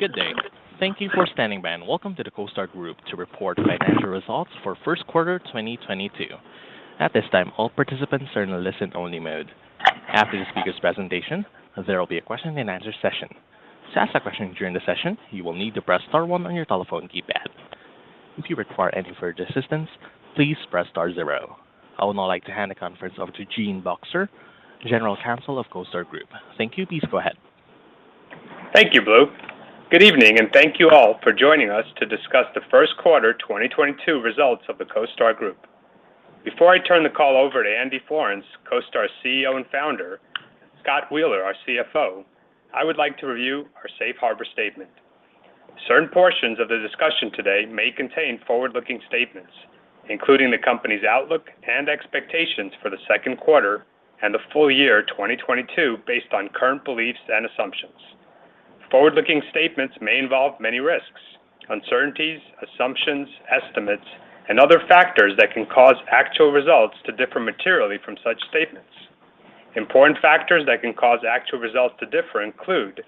Good day. Thank you for standing by, and welcome to the CoStar Group to report financial results for Q1 2022. At this time, all participants are in a listen-only mode. After the speaker's presentation, there will be a question and answer session. To ask a question during the session, you will need to press star one on your telephone keypad. If you require any further assistance, please press star zero. I would now like to hand the conference over to Gene Boxer, General Counsel of CoStar Group. Thank you. Please go ahead. Thank you, Blue. Good evening, and thank you all for joining us to discuss the Q1 2022 results of the CoStar Group. Before I turn the call over to Andy Florance, CoStar CEO and Founder, Scott Wheeler, our CFO, I would like to review our safe harbor statement. Certain portions of the discussion today may contain forward-looking statements, including the company's outlook and expectations for the Q2 and the full year 2022 based on current beliefs and assumptions. Forward-looking statements may involve many risks, uncertainties, assumptions, estimates, and other factors that can cause actual results to differ materially from such statements. Important factors that can cause actual results to differ include,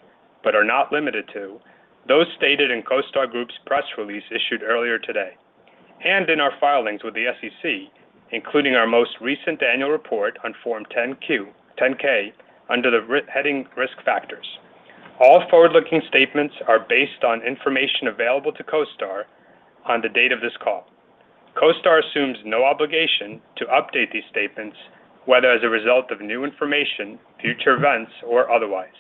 but are not limited to, those stated in CoStar Group's press release issued earlier today and in our filings with the SEC, including our most recent annual report on Form 10-K under the heading Risk Factors. All forward-looking statements are based on information available to CoStar on the date of this call. CoStar assumes no obligation to update these statements, whether as a result of new information, future events, or otherwise.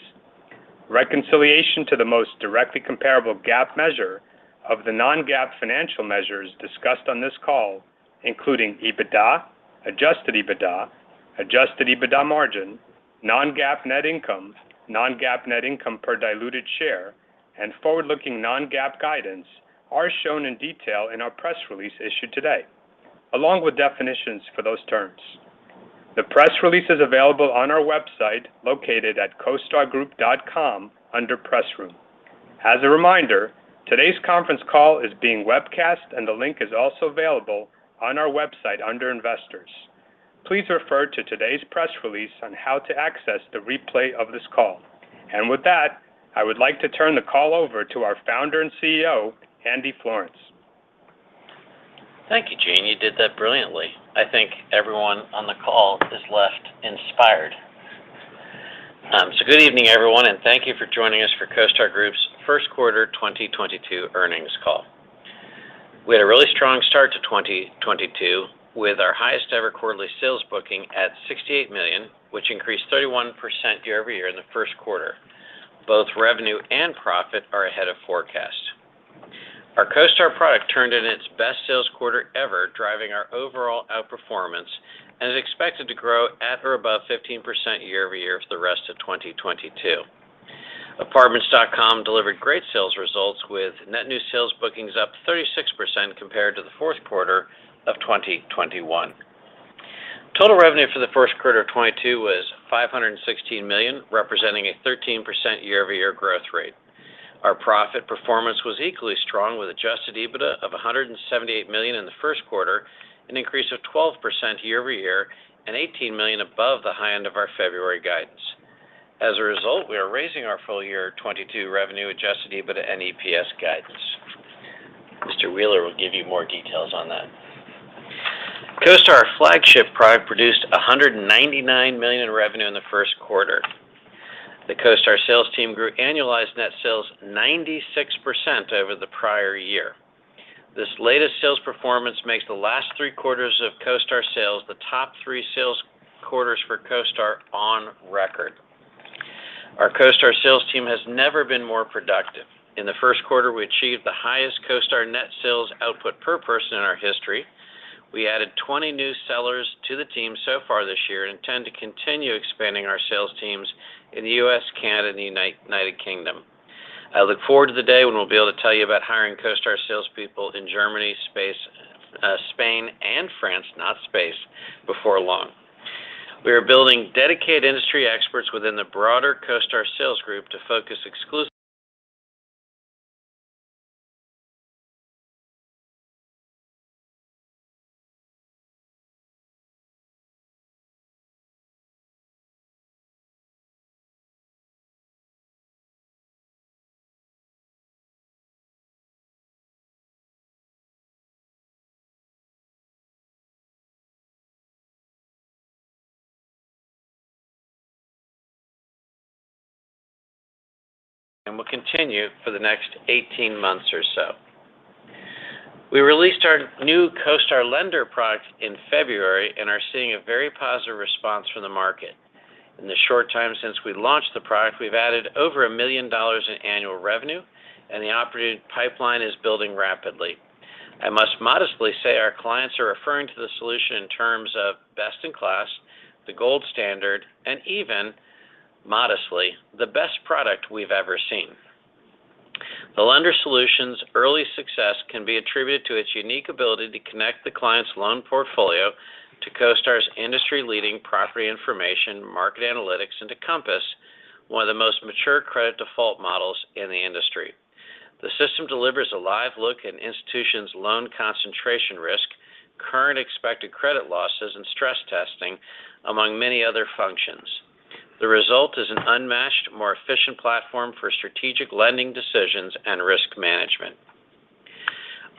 Reconciliation to the most directly comparable GAAP measure of the non-GAAP financial measures discussed on this call, including EBITDA, adjusted EBITDA, adjusted EBITDA margin, non-GAAP net income, non-GAAP net income per diluted share, and forward-looking non-GAAP guidance, are shown in detail in our press release issued today, along with definitions for those terms. The press release is available on our website located at costargroup.com under Press Room. As a reminder, today's conference call is being webcast, and the link is also available on our website under Investors. Please refer to today's press release on how to access the replay of this call. With that, I would like to turn the call over to our Founder and CEO, Andy Florance. Thank you, Gene. You did that brilliantly. I think everyone on the call is left inspired. Good evening, everyone, and thank you for joining us for CoStar Group's Q1 2022 earnings call. We had a really strong start to 2022 with our highest-ever quarterly sales booking at $68 million, which increased 31% year-over-year in the Q1. Both revenue and profit are ahead of forecast. Our CoStar product turned in its best sales quarter ever, driving our overall outperformance and is expected to grow at or above 15% year-over-year for the rest of 2022. Apartments.com delivered great sales results with net new sales bookings up 36% compared to the Q4 of 2021. Total revenue for the Q1 of 2022 was $516 million, representing a 13% year-over-year growth rate. Our profit performance was equally strong with adjusted EBITDA of $178 million in the Q1, an increase of 12% year-over-year and $18 million above the high end of our February guidance. As a result, we are raising our full-year 2022 revenue adjusted EBITDA and EPS guidance. Mr. Wheeler will give you more details on that. CoStar flagship product produced $199 million in revenue in the Q1. The CoStar sales team grew annualized net sales 96% over the prior year. This latest sales performance makes the last three quarters of CoStar sales the top three sales quarters for CoStar on record. Our CoStar sales team has never been more productive. In the Q1, we achieved the highest CoStar net sales output per person in our history. We added 20 new sellers to the team so far this year and intend to continue expanding our sales teams in the U.S., Canada, and United Kingdom. I look forward to the day when we'll be able to tell you about hiring CoStar salespeople in Germany, Spain and France, before long. We are building dedicated industry experts within the broader CoStar sales group to focus exclusively and will continue for the next 18 months or so. We released our new CoStar Lender product in February and are seeing a very positive response from the market. In the short time since we launched the product, we've added over $1 million in annual revenue, and the operating pipeline is building rapidly. I must modestly say our clients are referring to the solution in terms of best in class, the gold standard, and even modestly, the best product we've ever seen. The Lender Solutions early success can be attributed to its unique ability to connect the client's loan portfolio to CoStar's industry-leading property information market analytics into compass, one of the most mature credit default models in the industry. The system delivers a live look at an institution's loan concentration risk, current expected credit losses, and stress testing, among many other functions. The result is an unmatched, more efficient platform for strategic lending decisions and risk management.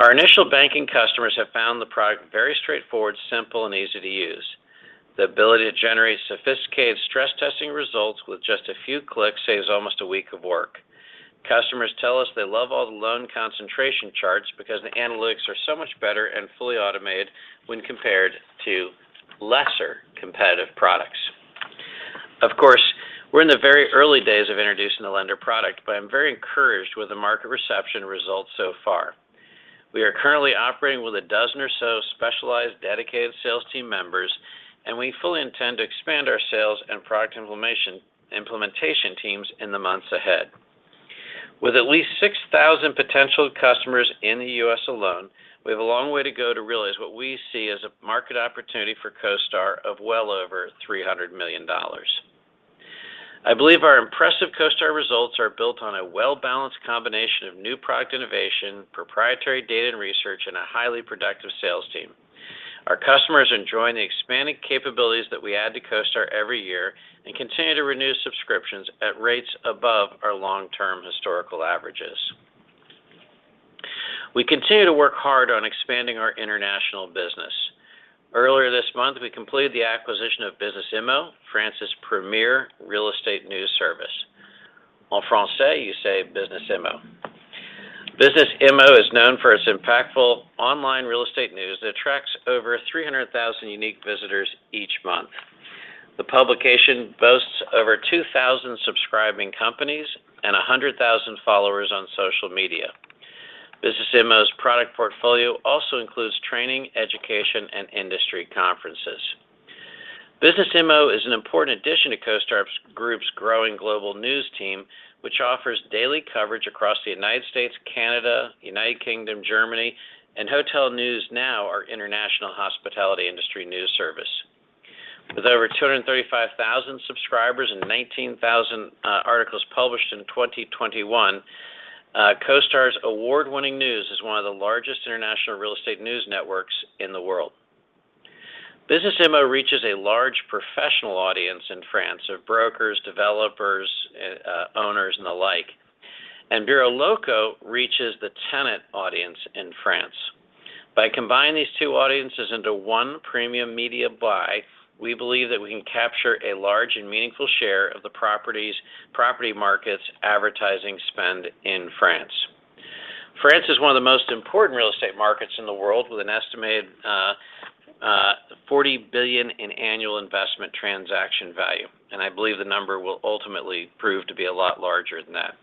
Our initial banking customers have found the product very straightforward, simple, and easy to use. The ability to generate sophisticated stress testing results with just a few clicks saves almost a week of work. Customers tell us they love all the loan concentration charts because the analytics are so much better and fully automated when compared to lesser competitive products. Of course, we're in the very early days of introducing the lender product, but I'm very encouraged with the market reception results so far. We are currently operating with a dozen or so specialized, dedicated sales team members, and we fully intend to expand our sales and product implementation teams in the months ahead. With at least 6,000 potential customers in the U.S. alone, we have a long way to go to realize what we see as a market opportunity for CoStar of well over $300 million. I believe our impressive CoStar results are built on a well-balanced combination of new product innovation, proprietary data and research, and a highly productive sales team. Our customers are enjoying the expanding capabilities that we add to CoStar every year and continue to renew subscriptions at rates above our long-term historical averages. We continue to work hard on expanding our international business. Earlier this month, we completed the acquisition of Business Immo, France's premier real estate news service. En français, you say Business Immo. Business Immo is known for its impactful online real estate news that attracts over 300,000 unique visitors each month. The publication boasts over 2,000 subscribing companies and 100,000 followers on social media. Business Immo's product portfolio also includes training, education, and industry conferences. Business Immo is an important addition to CoStar Group's growing global news team, which offers daily coverage across the United States, Canada, United Kingdom, Germany, and Hotel News Now, our international hospitality industry news service. With over 235,000 subscribers and 19,000 articles published in 2021, CoStar's award-winning news is one of the largest international real estate news networks in the world. Business Immo reaches a large professional audience in France of brokers, developers, owners, and the like. BureauxLocaux reaches the tenant audience in France. By combining these two audiences into one premium media buy, we believe that we can capture a large and meaningful share of the property market's advertising spend in France. France is one of the most important real estate markets in the world with an estimated $40 billion in annual investment transaction value, and I believe the number will ultimately prove to be a lot larger than that.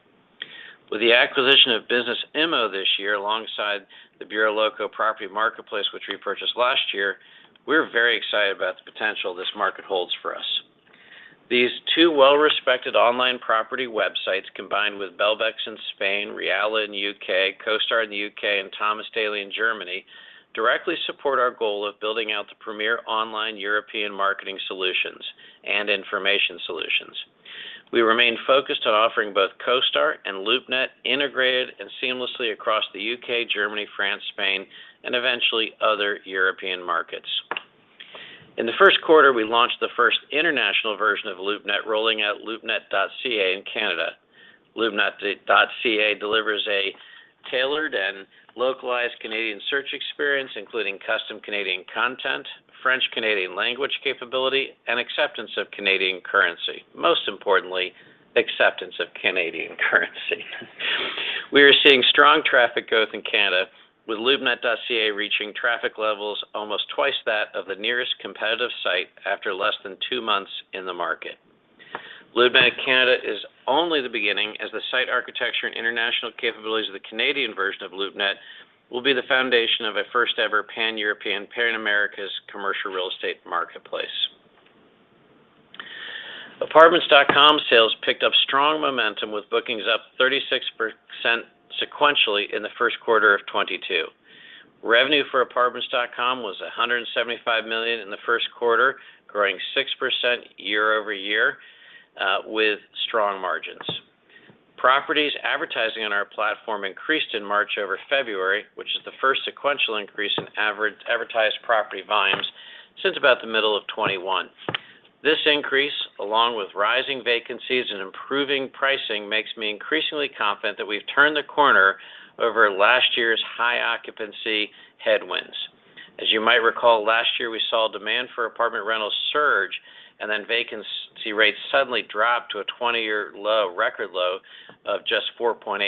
With the acquisition of Business Immo this year alongside the BureauxLocaux property marketplace, which we purchased last year, we're very excited about the potential this market holds for us. These two well-respected online property websites, combined with Belbex in Spain, Realla in the U.K., CoStar in the U.K., and Thomas Daily in Germany, directly support our goal of building out the premier online European marketing solutions and information solutions. We remain focused on offering both CoStar and LoopNet integrated and seamlessly across the U.K., Germany, France, Spain, and eventually other European markets. In the Q1, we launched the first international version of LoopNet, rolling out loopnet.ca in Canada. Loopnet.ca delivers a tailored and localized Canadian search experience, including custom Canadian content, French-Canadian language capability, and acceptance of Canadian currency. Most importantly, acceptance of Canadian currency. We are seeing strong traffic growth in Canada, with loopnet.ca reaching traffic levels almost twice that of the nearest competitive site after less than two months in the market. LoopNet Canada is only the beginning, as the site architecture and international capabilities of the Canadian version of LoopNet will be the foundation of a first-ever Pan-European, Pan-American commercial real estate marketplace. Apartments.com sales picked up strong momentum, with bookings up 36% sequentially in the Q1 of 2022. Revenue for apartments.com was $175 million in the Q1, growing 6% year-over-year, with strong margins. Properties advertising on our platform increased in March over February, which is the first sequential increase in advertised property volumes since about the middle of 2021. This increase, along with rising vacancies and improving pricing, makes me increasingly confident that we've turned the corner over last year's high occupancy headwinds. As you might recall, last year we saw demand for apartment rentals surge, and then vacancy rates suddenly dropped to a 20-year low, record low of just 4.8%.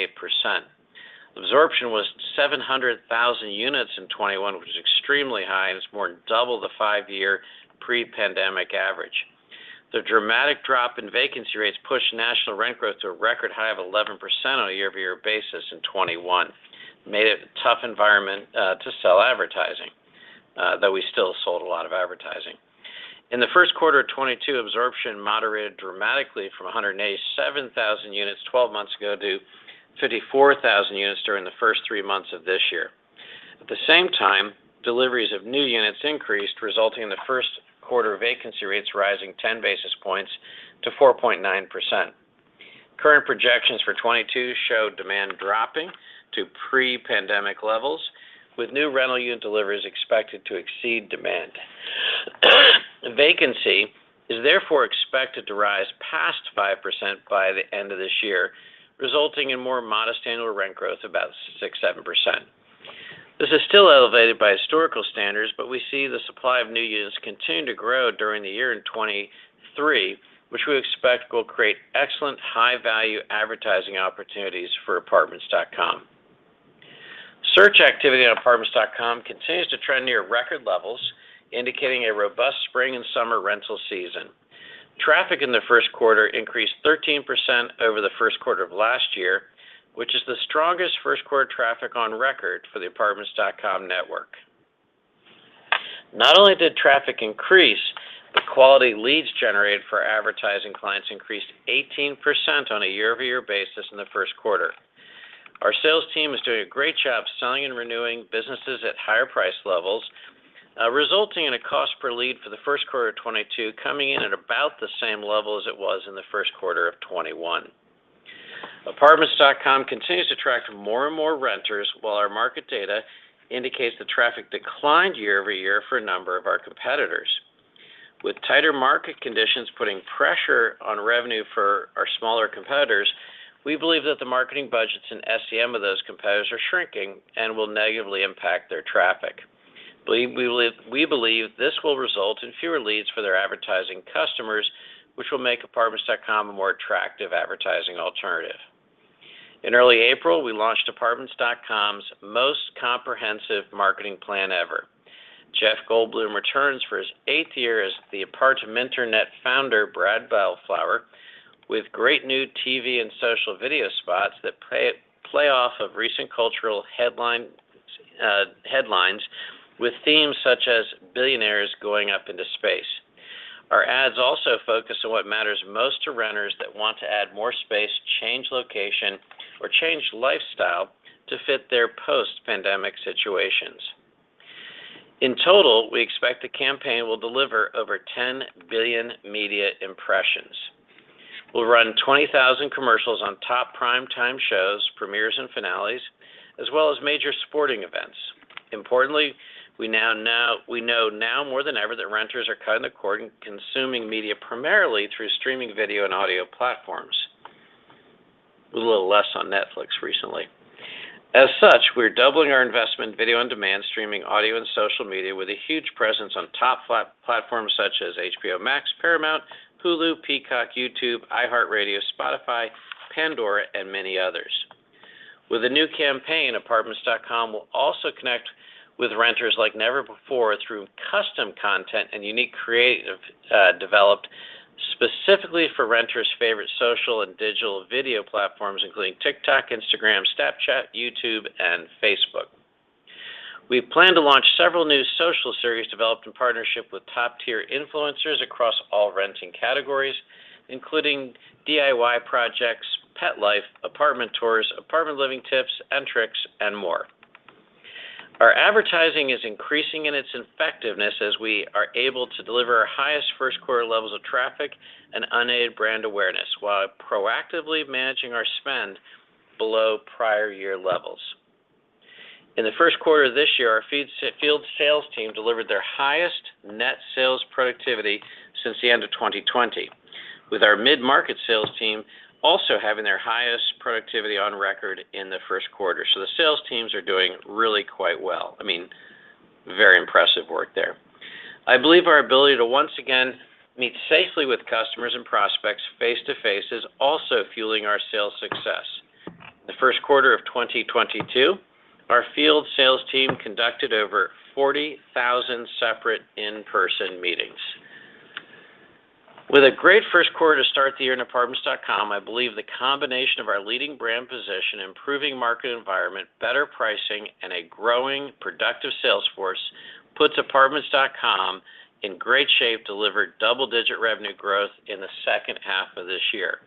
Absorption was 700,000 units in 2021, which is extremely high, and it's more than double the five year pre-pandemic average. The dramatic drop in vacancy rates pushed national rent growth to a record high of 11% on a year-over-year basis in 2021. Made it a tough environment to sell advertising, though we still sold a lot of advertising. In the Q1 of 2022, absorption moderated dramatically from 187,000 units 12 months ago to 54,000 units during the first three months of this year. At the same time, deliveries of new units increased, resulting in the Q1 vacancy rates rising 10 basis points to 4.9%. Current projections for 2022 show demand dropping to pre-pandemic levels, with new rental unit deliveries expected to exceed demand. Vacancy is therefore expected to rise past 5% by the end of this year, resulting in more modest annual rent growth, about 6%-7%. This is still elevated by historical standards, but we see the supply of new units continuing to grow during the year in 2023, which we expect will create excellent high-value advertising opportunities for Apartments.com. Search activity on Apartments.com continues to trend near record levels, indicating a robust spring and summer rental season. Traffic in the Q1 increased 13% over the Q1 of last year, which is the strongest Q1 traffic on record for the Apartments.com network. Not only did traffic increase, but quality leads generated for advertising clients increased 18% on a year-over-year basis in the Q1. Our sales team is doing a great job selling and renewing businesses at higher price levels, resulting in a cost per lead for the Q1 of 2022 coming in at about the same level as it was in the Q1 of 2021. Apartments.com continues to track more and more renters, while our market data indicates the traffic declined year-over-year for a number of our competitors. With tighter market conditions putting pressure on revenue for our smaller competitors, we believe that the marketing budgets and SEM of those competitors are shrinking and will negatively impact their traffic. We believe this will result in fewer leads for their advertising customers, which will make Apartments.com a more attractive advertising alternative. In early April, we launched Apartments.com's most comprehensive marketing plan ever. Jeff Goldblum returns for his eighth year as the Apartminternet founder, Brad Bellflower, with great new TV and social video spots that play off of recent cultural headlines with themes such as billionaires going up into space. Our ads also focus on what matters most to renters that want to add more space, change location, or change lifestyle to fit their post-pandemic situations. In total, we expect the campaign will deliver over 10 billion media impressions. We'll run 20,000 commercials on top prime-time shows, premieres, and finales, as well as major sporting events. Importantly, we now know more than ever that renters are cutting the cord and consuming media primarily through streaming video and audio platforms. A little less on Netflix recently. As such, we're doubling our investment in video on-demand, streaming audio and social media with a huge presence on top platforms such as HBO Max, Paramount, Hulu, Peacock, YouTube, iHeartRadio, Spotify, Pandora, and many others. With the new campaign, Apartments.com will also connect with renters like never before through custom content and unique creative developed specifically for renters' favorite social and digital video platforms, including TikTok, Instagram, Snapchat, YouTube, and Facebook. We plan to launch several new social series developed in partnership with top-tier influencers across all renting categories, including DIY projects, pet life, apartment tours, apartment living tips and tricks, and more. Our advertising is increasing in its effectiveness as we are able to deliver our highest Q1 levels of traffic and unaided brand awareness while proactively managing our spend below prior year levels. In the Q1 of this year, our field sales team delivered their highest net sales productivity since the end of 2020, with our mid-market sales team also having their highest productivity on record in the Q1. The sales teams are doing really quite well. I mean, very impressive work there. I believe our ability to once again meet safely with customers and prospects face to face is also fueling our sales success. In the Q1 of 2022, our field sales team conducted over 40,000 separate in-person meetings. With a great Q1 to start the year in Apartments.com, I believe the combination of our leading brand position, improving market environment, better pricing, and a growing, productive sales force puts apartments.com in great shape to deliver double-digit revenue growth in the H2 of this year.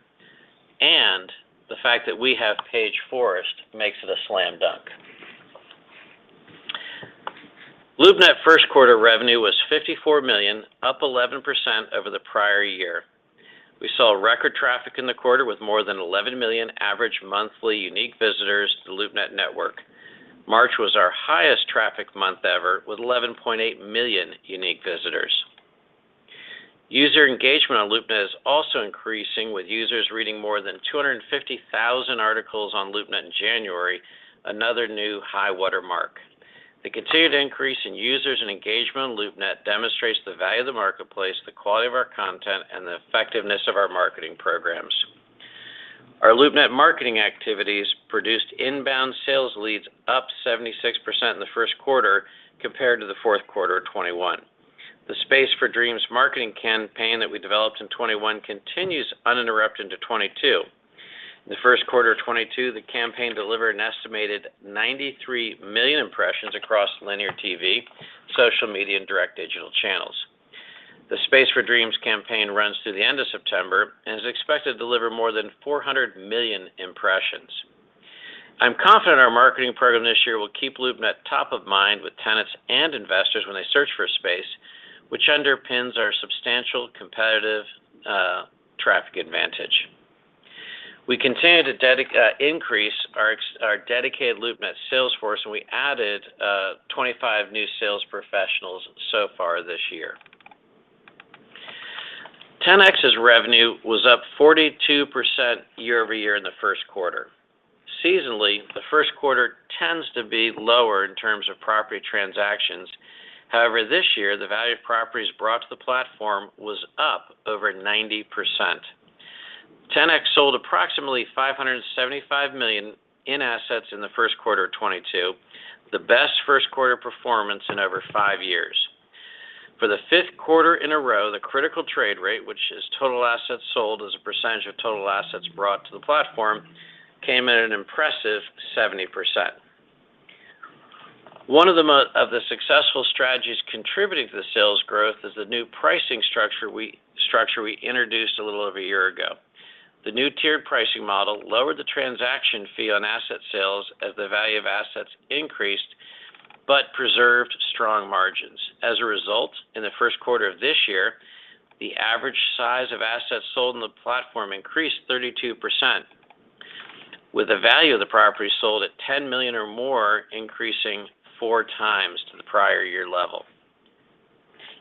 The fact that we have Paige Forrest makes it a slam dunk. LoopNet Q1 revenue was $54 million, up 11% over the prior year. We saw record traffic in the quarter with more than 11 million average monthly unique visitors to the LoopNet network. March was our highest traffic month ever, with 11.8 million unique visitors. User engagement on LoopNet is also increasing, with users reading more than 250,000 articles on LoopNet in January, another new high water mark. The continued increase in users and engagement on LoopNet demonstrates the value of the marketplace, the quality of our content, and the effectiveness of our marketing programs. Our LoopNet marketing activities produced inbound sales leads up 76% in the Q1 compared to the Q4 of 2021. The Space For Dreams marketing campaign that we developed in 2021 continues uninterrupted into 2022. In the Q1 of 2022, the campaign delivered an estimated 93 million impressions across linear TV, social media, and direct digital channels. The Space For Dreams campaign runs through the end of September and is expected to deliver more than 400 million impressions. I'm confident our marketing program this year will keep LoopNet top of mind with tenants and investors when they search for a space, which underpins our substantial competitive traffic advantage. We continue to increase our dedicated LoopNet sales force, and we added 25 new sales professionals so far this year. Ten-X's revenue was up 42% year-over-year in the Q1. Seasonally, the Q1 tends to be lower in terms of property transactions. However, this year, the value of properties brought to the platform was up over 90%. Ten-X sold approximately $575 million in assets in the Q1 of 2022, the best Q1 performance in over 5 years. For the 5th quarter in a row, the critical trade rate, which is total assets sold as a percentage of total assets brought to the platform, came at an impressive 70%. One of the successful strategies contributing to the sales growth is the new pricing structure we introduced a little over a year ago. The new tiered pricing model lowered the transaction fee on asset sales as the value of assets increased but preserved strong margins. As a result, in the Q1 of this year, the average size of assets sold on the platform increased 32%, with the value of the property sold at $10 million or more increasing 4x to the prior year level.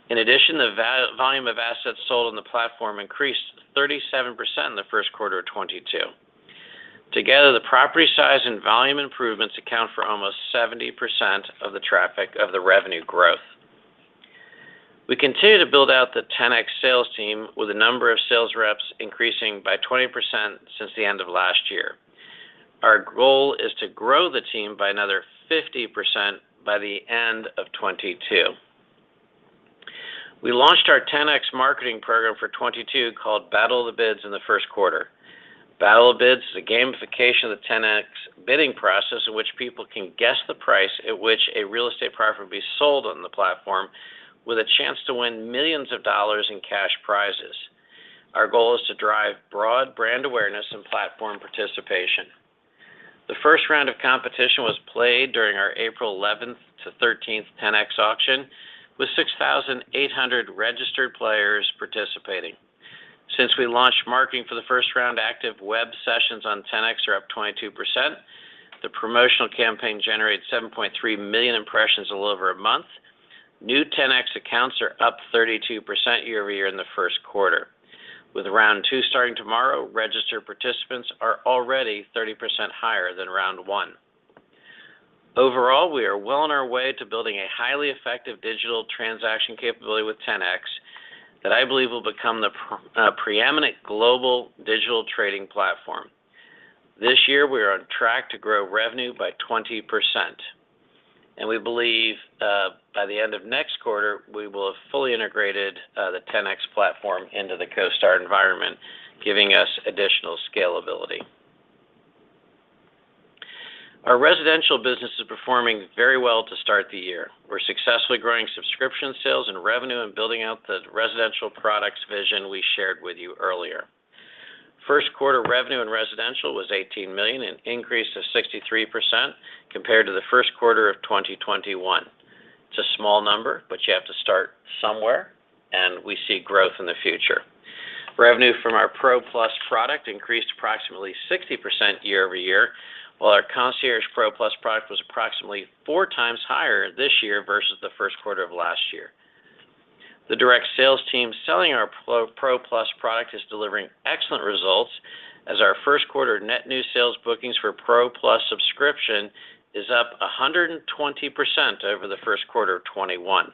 In addition, the volume of assets sold on the platform increased 37% in the Q1 of 2022. Together, the property size and volume improvements account for almost 70% of the traffic of the revenue growth. We continue to build out the Ten-X sales team with a number of sales reps increasing by 20% since the end of last year. Our goal is to grow the team by another 50% by the end of 2022. We launched our Ten-X marketing program for 2022 called Battle of the Bids in the Q1. Battle of the Bids is a gamification of the Ten-X bidding process in which people can guess the price at which a real estate property will be sold on the platform with a chance to win millions of dollars in cash prizes. Our goal is to drive broad brand awareness and platform participation. The first round of competition was played during our April 11th-13th Ten-X auction with 6,800 registered players participating. Since we launched marketing for the first round, active web sessions on Ten-X are up 22%. The promotional campaign generated 7.3 million impressions a little over a month. New Ten-X accounts are up 32% year-over-year in the Q1. With round two starting tomorrow, registered participants are already 30% higher than round one. Overall, we are well on our way to building a highly effective digital transaction capability with Ten-X that I believe will become the preeminent global digital trading platform. This year, we are on track to grow revenue by 20%, and we believe, by the end of next quarter, we will have fully integrated the Ten-X platform into the CoStar environment, giving us additional scalability. Our residential business is performing very well to start the year. We're successfully growing subscription sales and revenue and building out the residential products vision we shared with you earlier. Q1 revenue in residential was $18 million, an increase of 63% compared to the Q1 of 2021. It's a small number, but you have to start somewhere, and we see growth in the future. Revenue from our Pro Plus product increased approximately 60% year-over-year, while our Concierge Pro Plus product was approximately 4x higher this year versus the Q1 of last year. The direct sales team selling our Pro Plus product is delivering excellent results as our Q1 net new sales bookings for Pro Plus subscription is up 120% over the Q1 of 2021.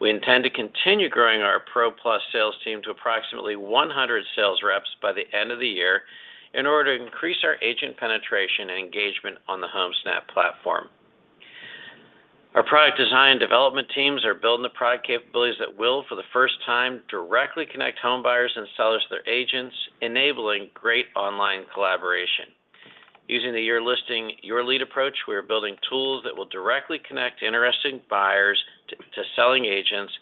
We intend to continue growing our Pro Plus sales team to approximately 100 sales reps by the end of the year in order to increase our agent penetration and engagement on the Homesnap platform. Our product design and development teams are building the product capabilities that will, for the first time, directly connect home buyers and sellers to their agents, enabling great online collaboration. Using the your listing, your lead approach, we are building tools that will directly connect interested buyers to selling agents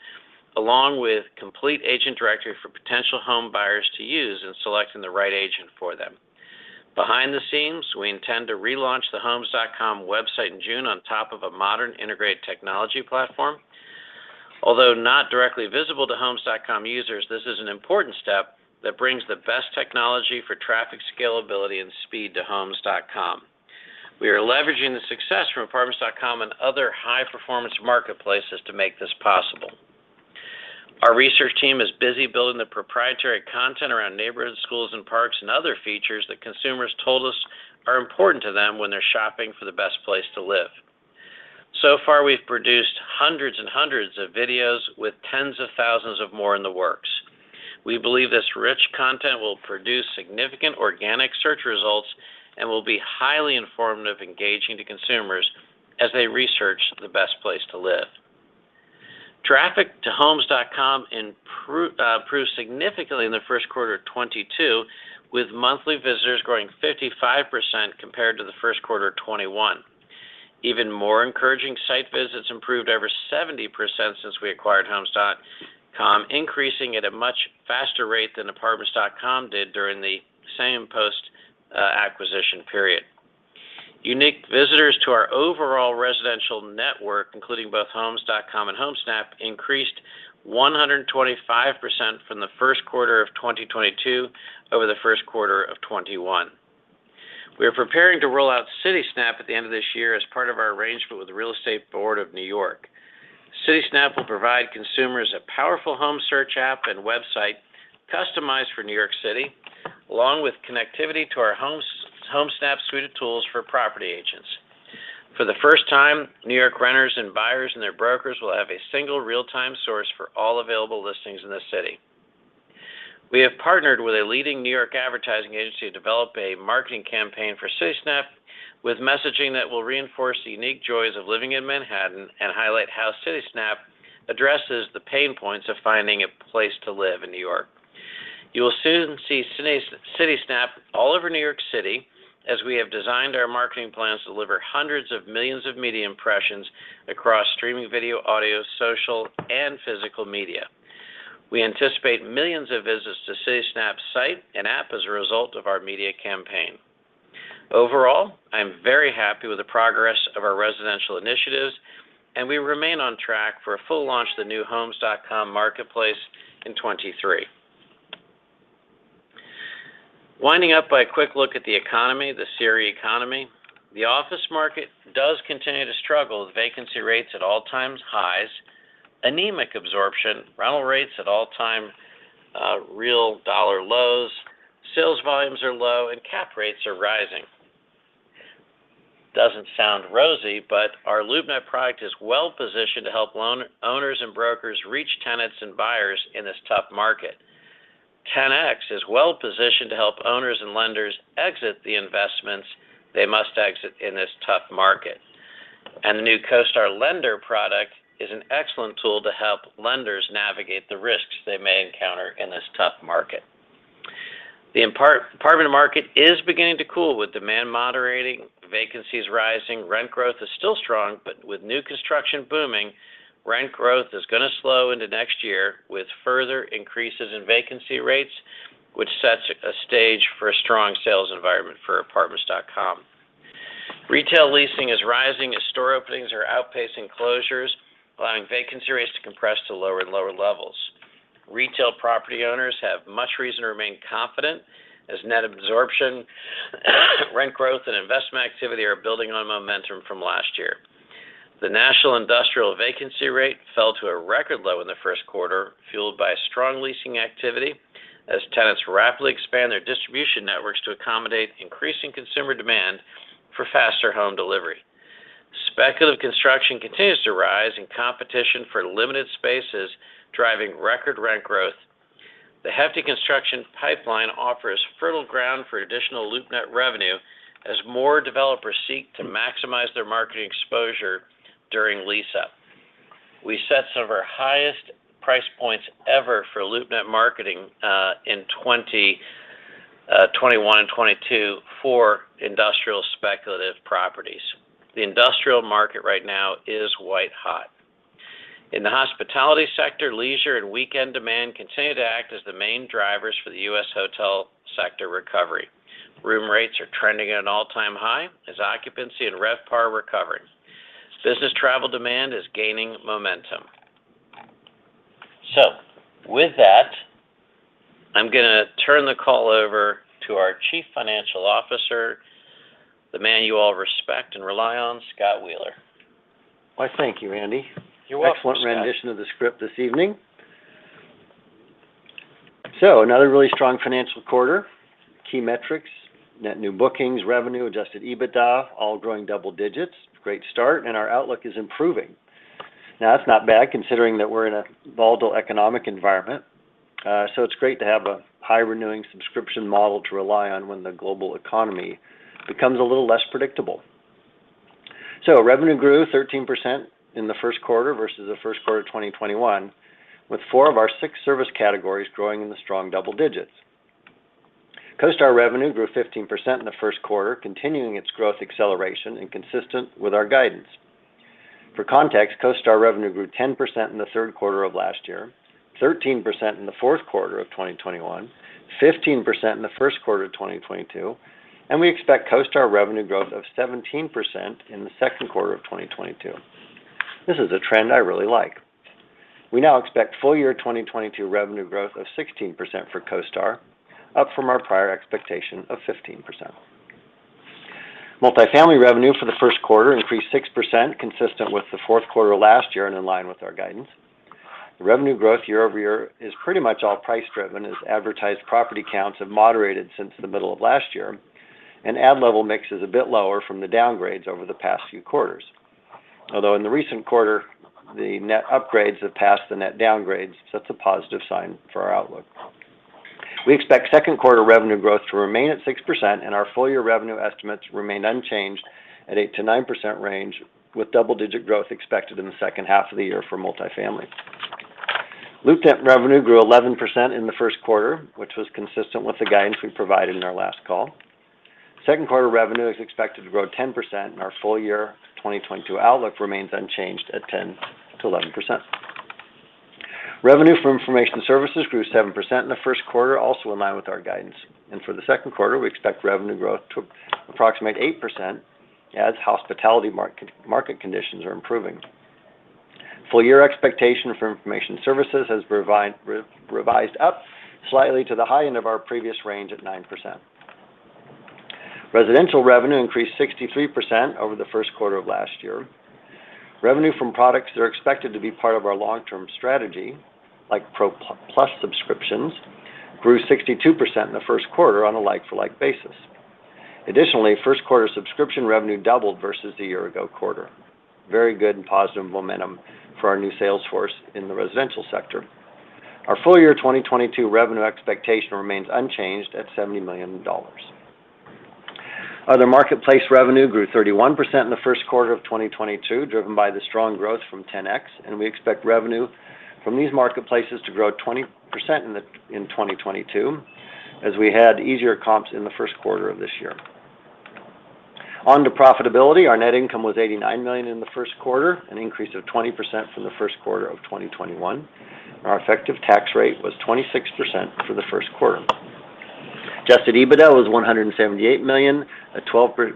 along with complete agent directory for potential home buyers to use in selecting the right agent for them. Behind the scenes, we intend to relaunch the homes.com website in June on top of a modern integrated technology platform. Although not directly visible to homes.com users, this is an important step that brings the best technology for traffic scalability and speed to homes.com. We are leveraging the success from Apartments.com and other high-performance marketplaces to make this possible. Our research team is busy building the proprietary content around neighborhoods, schools, and parks and other features that consumers told us are important to them when they're shopping for the best place to live. So far, we've produced hundreds and hundreds of videos with tens of thousands of more in the works. We believe this rich content will produce significant organic search results and will be highly informative and engaging to consumers as they research the best place to live. Traffic to homes.com improved significantly in the Q1 of 2022, with monthly visitors growing 55% compared to the Q1 of 2021. Even more encouraging site visits improved over 70% since we acquired homes.com, increasing at a much faster rate than Apartments.com did during the same post acquisition period. Unique visitors to our overall residential network, including both homes.com and Homesnap, increased 125% from the Q1 of 2022 over the Q1 of 2021. We are preparing to roll out Citysnap at the end of this year as part of our arrangement with the Real Estate Board of New York. Citysnap will provide consumers a powerful home search app and website customized for New York City, along with connectivity to our Homesnap suite of tools for property agents. For the first time, New York renters and buyers and their brokers will have a single real-time source for all available listings in the city. We have partnered with a leading New York advertising agency to develop a marketing campaign for Citysnap with messaging that will reinforce the unique joys of living in Manhattan and highlight how Citysnap addresses the pain points of finding a place to live in New York. You will soon see Citysnap all over New York City as we have designed our marketing plans to deliver hundreds of millions of media impressions across streaming video, audio, social and physical media. We anticipate millions of visits to Citysnap's site and app as a result of our media campaign. Overall, I am very happy with the progress of our residential initiatives and we remain on track for a full launch of the new homes.com marketplace in 2023. Winding up by a quick look at the economy, the scary economy. The office market does continue to struggle with vacancy rates at all-time highs, anemic absorption, rental rates at all-time real dollar lows, sales volumes are low, and cap rates are rising. Doesn't sound rosy, but our LoopNet product is well positioned to help owners and brokers reach tenants and buyers in this tough market. Ten-X is well positioned to help owners and lenders exit the investments they must exit in this tough market. The new CoStar Lender product is an excellent tool to help lenders navigate the risks they may encounter in this tough market. The apartment market is beginning to cool with demand moderating, vacancies rising. Rent growth is still strong, but with new construction booming, rent growth is going to slow into next year with further increases in vacancy rates, which sets a stage for a strong sales environment for Apartments.com. Retail leasing is rising as store openings are outpacing closures, allowing vacancy rates to compress to lower and lower levels. Retail property owners have much reason to remain confident as net absorption, rent growth and investment activity are building on momentum from last year. The national industrial vacancy rate fell to a record low in the Q1, fueled by strong leasing activity as tenants rapidly expand their distribution networks to accommodate increasing consumer demand for faster home delivery. Speculative construction continues to rise and competition for limited space is driving record rent growth. The hefty construction pipeline offers fertile ground for additional LoopNet revenue as more developers seek to maximize their marketing exposure during lease-up. We set some of our highest price points ever for LoopNet marketing in 2021 and 2022 for industrial speculative properties. The industrial market right now is white hot. In the hospitality sector, leisure and weekend demand continue to act as the main drivers for the U.S. hotel sector recovery. Room rates are trending at an all-time high as occupancy and RevPAR recovered. Business travel demand is gaining momentum. With that, I'm gonna turn the call over to our Chief Financial Officer, the man you all respect and rely on, Scott Wheeler. Why, thank you, Andy. You're welcome, Scott. Excellent rendition of the script this evening. Another really strong financial quarter. Key metrics, net new bookings, revenue, adjusted EBITDA, all growing double digits. Great start and our outlook is improving. Now that's not bad considering that we're in a volatile economic environment. It's great to have a high renewing subscription model to rely on when the global economy becomes a little less predictable. Revenue grew 13% in the Q1 versus the Q1 of 2021, with four of our six service categories growing in the strong double digits. CoStar revenue grew 15% in the Q1, continuing its growth acceleration and consistent with our guidance. For context, CoStar revenue grew 10% in the Q3 of last year, 13% in the Q4 of 2021, 15% in the Q1 of 2022, and we expect CoStar revenue growth of 17% in the Q2 of 2022. This is a trend I really like. We now expect full year 2022 revenue growth of 16% for CoStar, up from our prior expectation of 15%. Multifamily revenue for the Q1 increased 6%, consistent with the Q4 last year and in line with our guidance. Revenue growth year over year is pretty much all price driven as advertised property counts have moderated since the middle of last year, and ad level mix is a bit lower from the downgrades over the past few quarters. Although in the recent quarter, the net upgrades have passed the net downgrades, so that's a positive sign for our outlook. We expect Q2 revenue growth to remain at 6% and our full year revenue estimates remain unchanged at 8%-9% range, with double-digit growth expected in the H2 of the year for multifamily. LoopNet revenue grew 11% in the Q1, which was consistent with the guidance we provided in our last call. Q2 revenue is expected to grow 10%, and our full year 2022 outlook remains unchanged at 10%-11%. Revenue from information services grew 7% in the Q1, also in line with our guidance. For the Q2, we expect revenue growth to approximate 8% as hospitality market conditions are improving. Full year expectation for information services has revised up slightly to the high end of our previous range at 9%. Residential revenue increased 63% over the Q1 of last year. Revenue from products that are expected to be part of our long-term strategy, like Pro Plus subscriptions, grew 62% in the Q1 on a like-for-like basis. Additionally, Q1 subscription revenue doubled versus the year-ago quarter. Very good and positive momentum for our new sales force in the residential sector. Our full year 2022 revenue expectation remains unchanged at $70 million. Other marketplace revenue grew 31% in the Q1 of 2022, driven by the strong growth from Ten-X, and we expect revenue from these marketplaces to grow 20% in 2022, as we had easier comps in the Q1 of this year. On to profitability. Our net income was $89 million in the Q1, an increase of 20% from the Q1 of 2021. Our effective tax rate was 26% for the Q1. Adjusted EBITDA was $178 million, a 12%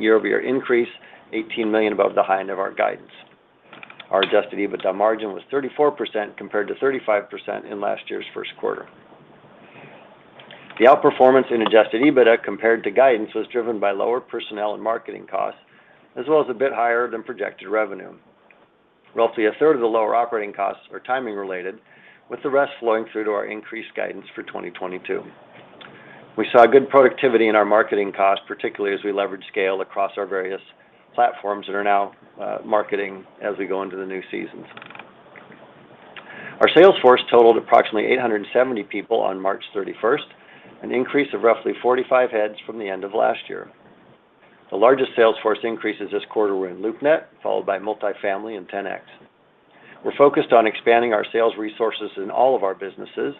year-over-year increase, $18 million above the high end of our guidance. Our adjusted EBITDA margin was 34%, compared to 35% in last year's Q1. The outperformance in adjusted EBITDA compared to guidance was driven by lower personnel and marketing costs, as well as a bit higher than projected revenue. Roughly a third of the lower operating costs are timing related, with the rest flowing through to our increased guidance for 2022. We saw good productivity in our marketing costs, particularly as we leveraged scale across our various platforms that are now marketing as we go into the new seasons. Our sales force totaled approximately 870 people on March 31st, an increase of roughly 45 heads from the end of last year. The largest sales force increases this quarter were in LoopNet, followed by multifamily and Ten-X. We're focused on expanding our sales resources in all of our businesses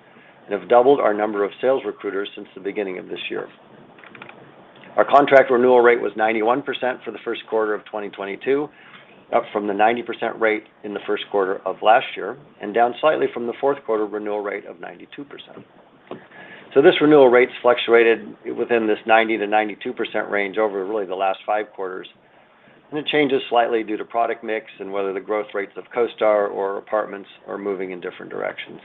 and have doubled our number of sales recruiters since the beginning of this year. Our contract renewal rate was 91% for the Q1 of 2022, up from the 90% rate in the Q1 of last year, and down slightly from the Q4 renewal rate of 92%. This renewal rate's fluctuated within this 90%-92% range over really the last five quarters, and it changes slightly due to product mix and whether the growth rates of CoStar or apartments are moving in different directions.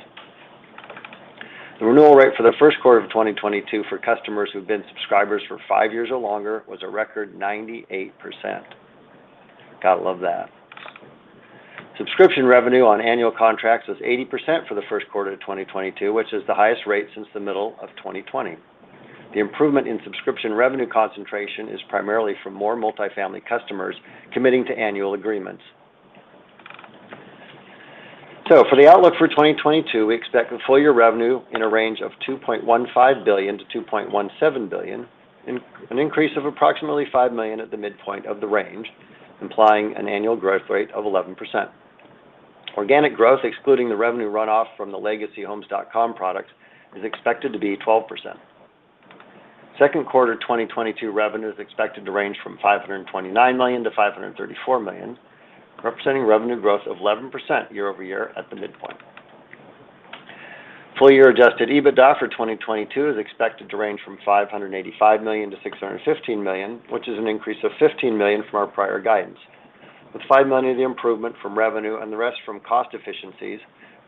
The renewal rate for the Q1 of 2022 for customers who've been subscribers for five years or longer was a record 98%. Gotta love that. Subscription revenue on annual contracts was 80% for the Q1 of 2022, which is the highest rate since the middle of 2020. The improvement in subscription revenue concentration is primarily from more multifamily customers committing to annual agreements. For the outlook for 2022, we expect full year revenue in a range of $2.15 billion-$2.17 billion, an increase of approximately $5 million at the midpoint of the range, implying an annual growth rate of 11%. Organic growth, excluding the revenue runoff from the legacy Homes.com products, is expected to be 12%. Q2 2022 revenue is expected to range from $529 million-$534 million, representing revenue growth of 11% year over year at the midpoint. Full year adjusted EBITDA for 2022 is expected to range from $585 million-$615 million, which is an increase of $15 million from our prior guidance, with $5 million of the improvement from revenue and the rest from cost efficiencies,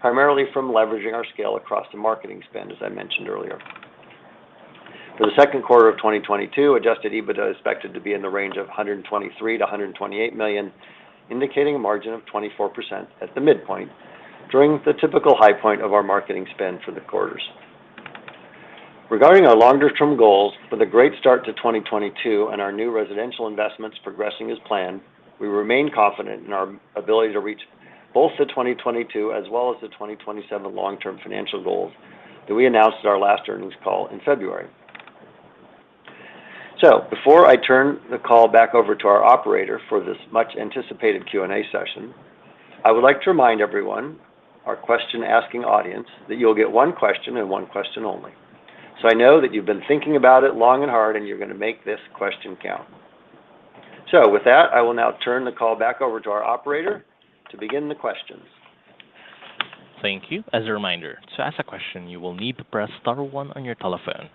primarily from leveraging our scale across the marketing spend, as I mentioned earlier. For the Q2 of 2022, adjusted EBITDA is expected to be in the range of $123 million-$128 million, indicating a margin of 24% at the midpoint during the typical high point of our marketing spend for the quarters. Regarding our longer term goals, with a great start to 2022 and our new residential investments progressing as planned, we remain confident in our ability to reach both the 2022 as well as the 2027 long-term financial goals that we announced at our last earnings call in February. Before I turn the call back over to our operator for this much anticipated Q&A session, I would like to remind everyone, our question-asking audience, that you'll get one question and one question only. I know that you've been thinking about it long and hard, and you're gonna make this question count. With that, I will now turn the call back over to our operator to begin the questions. Thank you. As a reminder, to ask a question, you will need to press star one on your telephone.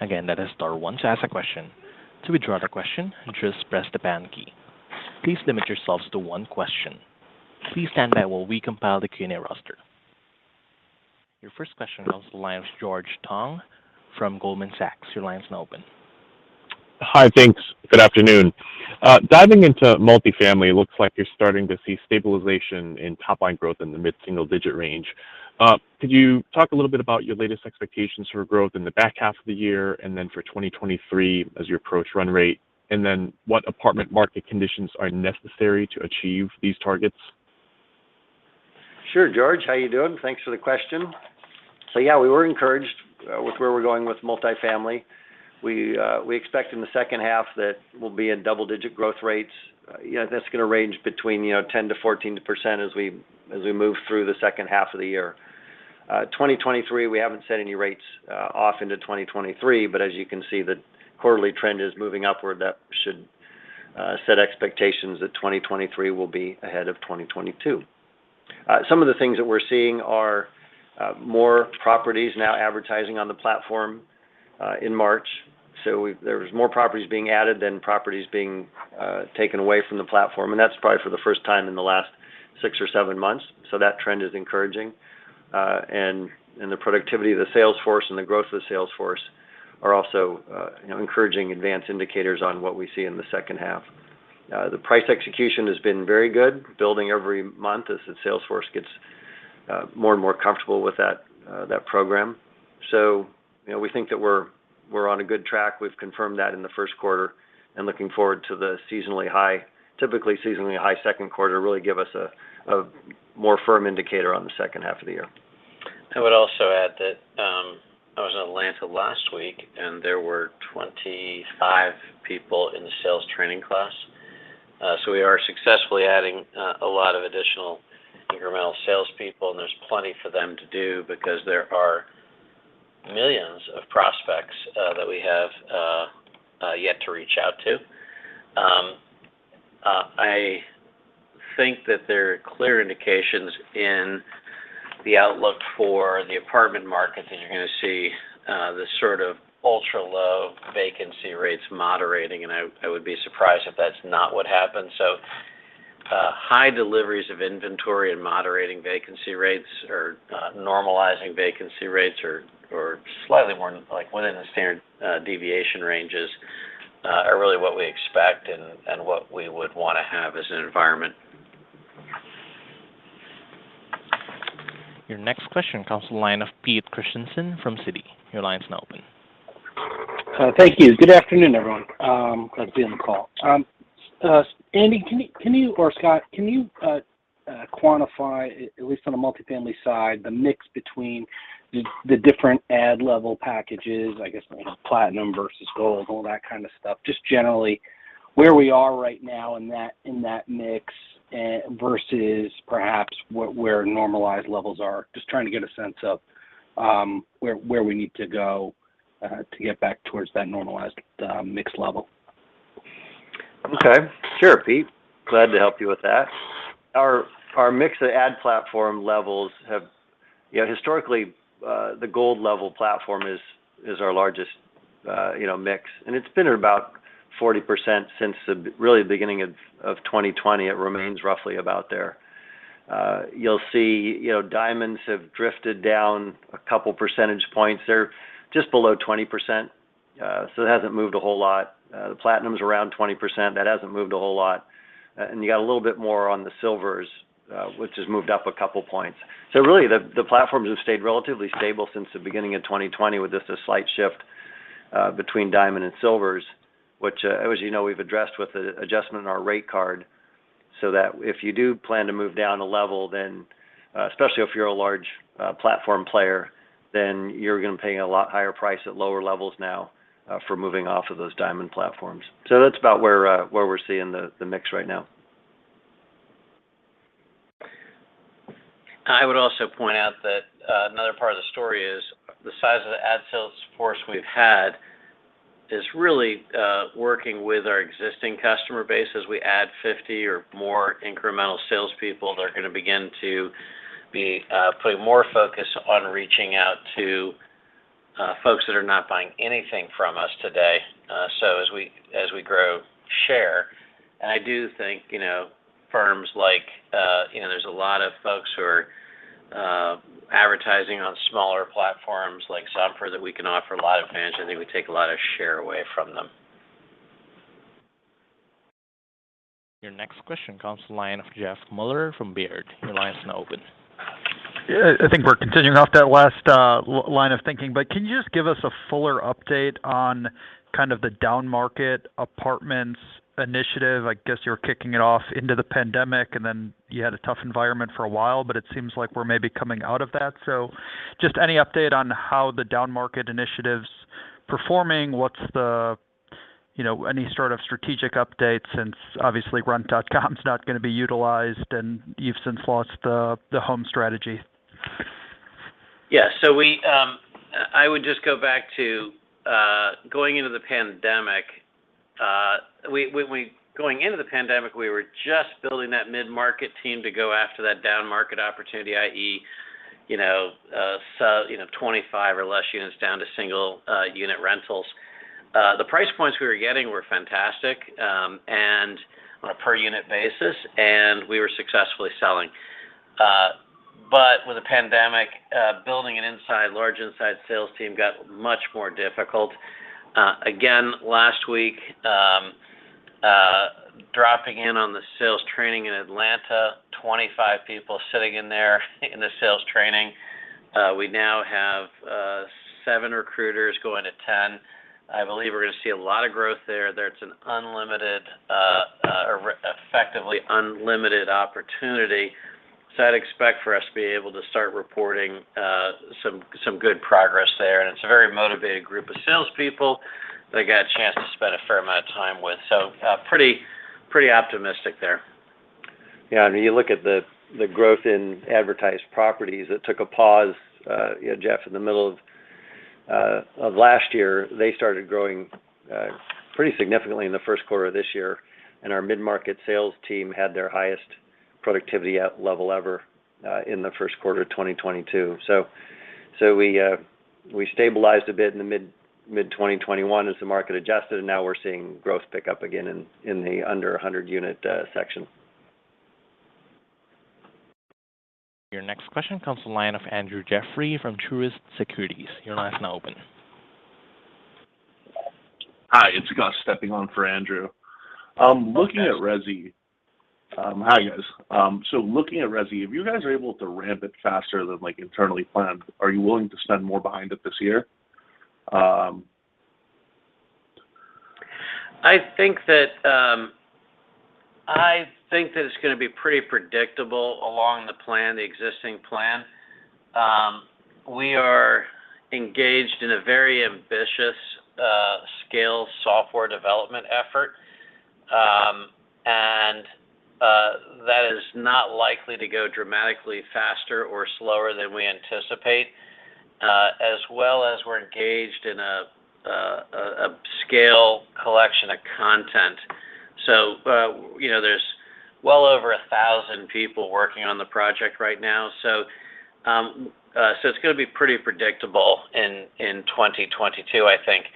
Again, that is star one to ask a question. To withdraw the question, just press the pound key. Please limit yourselves to one question. Please stand by while we compile the Q&A roster. Your first question comes on the line from George Tong from Goldman Sachs. Your line's now open. Hi. Thanks. Good afternoon. Diving into multifamily, it looks like you're starting to see stabilization in top line growth in the mid-single digit range. Could you talk a little bit about your latest expectations for growth in the back half of the year and then for 2023 as you approach run rate? What apartment market conditions are necessary to achieve these targets? Sure, George. How you doing? Thanks for the question. Yeah, we were encouraged with where we're going with multifamily. We expect in the H2 that we'll be in double digit growth rates. Yeah, that's gonna range between 10%-14% as we move through the H2 of the year. 2023, we haven't set any rates off into 2023, but as you can see, the quarterly trend is moving upward. That should set expectations that 2023 will be ahead of 2022. Some of the things that we're seeing are more properties now advertising on the platform in March. There was more properties being added than properties being taken away from the platform, and that's probably for the first time in the last six or seven months. That trend is encouraging. The productivity of the sales force and the growth of the sales force are also, you know, encouraging advanced indicators on what we see in the H2. The price execution has been very good, building every month as the sales force gets more and more comfortable with that program. You know, we think that we're on a good track. We've confirmed that in the Q1, and looking forward to the typically seasonally high Q2 really give us a more firm indicator on the H2 of the year. I would also add that, I was in Atlanta last week, and there were 25 people in the sales training class. We are successfully adding a lot of additional incremental salespeople, and there's plenty for them to do because there are millions of prospects that we have yet to reach out to. I think that there are clear indications in the outlook for the apartment market that you're gonna see the sort of ultra-low vacancy rates moderating, and I would be surprised if that's not what happens. High deliveries of inventory and moderating vacancy rates or normalizing vacancy rates or slightly more, like within the standard deviation ranges, are really what we expect and what we would wanna have as an environment. Your next question comes from the line of Pete Christiansen from Citi. Your line's now open. Thank you. Good afternoon, everyone, glad to be on the call. Andy, can you or Scott quantify, at least on the multifamily side, the mix between the different ad level packages, I guess, you know, platinum versus gold, all that kind of stuff, just generally where we are right now in that mix and versus perhaps where normalized levels are. Just trying to get a sense of where we need to go to get back towards that normalized mix level. Okay. Sure, Pete. Glad to help you with that. Our mix of ad platform levels have, you know, historically, the gold level platform is our largest, you know, mix, and it's been about 40% since really the beginning of 2020. It remains roughly about there. You'll see, you know, diamonds have drifted down a couple percentage points. They're just below 20%. So it hasn't moved a whole lot. The platinum's around 20%. That hasn't moved a whole lot. You got a little bit more on the silvers, which has moved up a couple points. Really, the platforms have stayed relatively stable since the beginning of 2020 with just a slight shift between Diamond and Silvers, which, as you know, we've addressed with the adjustment in our rate card so that if you do plan to move down a level, then, especially if you're a large platform player, then you're gonna pay a lot higher price at lower levels now for moving off of those Diamond platforms. That's about where we're seeing the mix right now. I would also point out that another part of the story is the size of the ad sales force we've had is really working with our existing customer base. As we add 50 or more incremental salespeople, they're gonna begin to be putting more focus on reaching out to folks that are not buying anything from us today, so as we grow share. I do think, you know, firms like, you know, there's a lot of folks who are advertising on smaller platforms like Zumper that we can offer a lot of advantage, and it would take a lot of share away from them. Your next question comes from the line of Jeff Meuler from Baird. Your line is now open. Yeah. I think we're continuing off that last line of thinking. Can you just give us a fuller update on kind of the downmarket apartments initiative? I guess you were kicking it off into the pandemic, and then you had a tough environment for a while, but it seems like we're maybe coming out of that. Just any update on how the downmarket initiative's performing? What's the, you know, any sort of strategic updates since obviously Rent.com's not gonna be utilized, and you've since lost the Homes strategy? I would just go back to going into the pandemic. We were just building that mid-market team to go after that downmarket opportunity, i.e., you know, sell, you know, 25 or less units down to single unit rentals. The price points we were getting were fantastic, and on a per unit basis, and we were successfully selling. With the pandemic, building a large inside sales team got much more difficult. Again, last week, dropping in on the sales training in Atlanta, 25 people sitting in there in the sales training. We now have seven recruiters going to 10. I believe we're gonna see a lot of growth there. There's an unlimited, effectively unlimited opportunity. I'd expect for us to be able to start reporting some good progress there. It's a very motivated group of salespeople that I got a chance to spend a fair amount of time with. Pretty optimistic there. Yeah. I mean, you look at the growth in advertised properties. It took a pause, you know, Jeff, in the middle of last year. They started growing pretty significantly in the Q1 of this year, and our mid-market sales team had their highest productivity at level ever in the Q1 of 2022. We stabilized a bit in mid-2021 as the market adjusted, and now we're seeing growth pick up again in the under 100 unit section. Your next question comes from the line of Andrew Jeffrey from Truist Securities. Your line is now open. Hi, it's Gus stepping on for Andrew. Hi, guys. So looking at revenue, if you guys are able to ramp it faster than, like, internally planned, are you willing to spend more behind it this year? I think that it's gonna be pretty predictable along the plan, the existing plan. We are engaged in a very ambitious scale software development effort. That is not likely to go dramatically faster or slower than we anticipate, as well as we're engaged in a scale collection of content. You know, there's well over 1,000 people working on the project right now. It's gonna be pretty predictable in 2022, I think.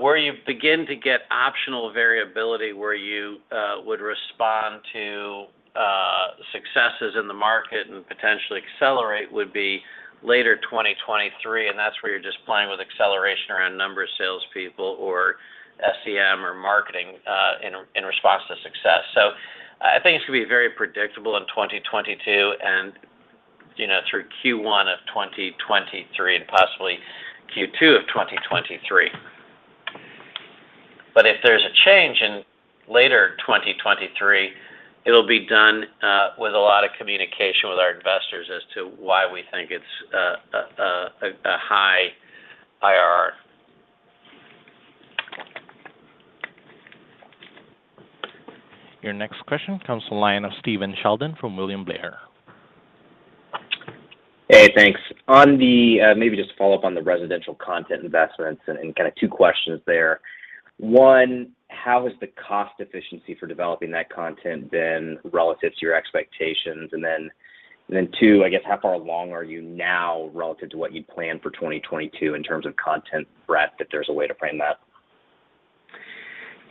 Where you begin to get optional variability where you would respond to successes in the market and potentially accelerate would be later 2023, and that's where you're just playing with acceleration around number of salespeople or SEM or marketing in response to success. I think it's gonna be very predictable in 2022 and, you know, through Q1 of 2023 and possibly Q2 of 2023. If there's a change in later 2023, it'll be done with a lot of communication with our investors as to why we think it's a high IRR. Your next question comes to the line of Stephen Sheldon from William Blair. Hey, thanks. On the maybe just to follow up on the residential content investments and kinda two questions there. One, how has the cost efficiency for developing that content been relative to your expectations? And then two, I guess, how far along are you now relative to what you'd planned for 2022 in terms of content breadth, if there's a way to frame that?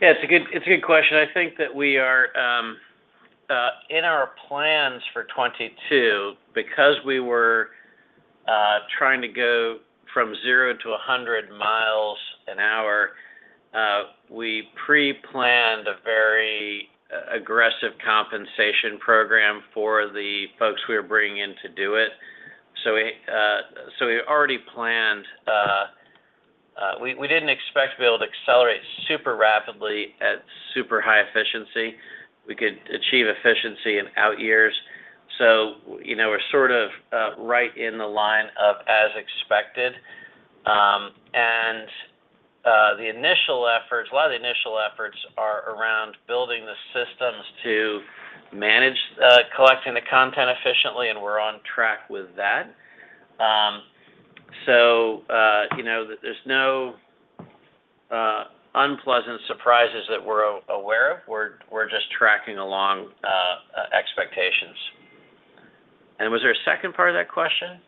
Yeah, it's a good question. I think that we are in our plans for 2022, because we were trying to go from zero to 100 miles an hour, we pre-planned a very aggressive compensation program for the folks we were bringing in to do it. So we already planned. We didn't expect to be able to accelerate super rapidly at super high efficiency. We could achieve efficiency in outyears. So, you know, we're sort of right in the line of as expected. And the initial efforts, a lot of the initial efforts are around building the systems to manage collecting the content efficiently, and we're on track with that. So, you know, there's no unpleasant surprises that we're aware of. We're just tracking along expectations. Was there a second part of that question?